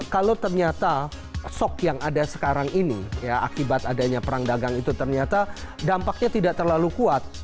kalau ternyata shock yang ada sekarang ini ya akibat adanya perang dagang itu ternyata dampaknya tidak terlalu kuat